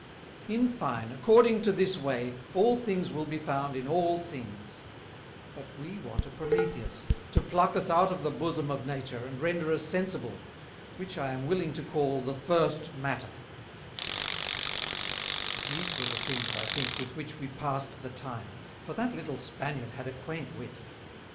In fine, according to this way, all things will be found in all things; but we want a Prometheus, to pluck us out of the Bosom of Nature, and render us sensible, which I am willing to call the First Matter" These were the things, I think, with which we past the time; for that little Spaniard had a quaint Wit.